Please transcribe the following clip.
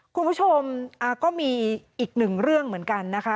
คุณผู้ชมก็มีอีกหนึ่งเรื่องเหมือนกันนะคะ